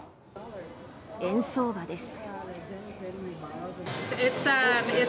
円相場です。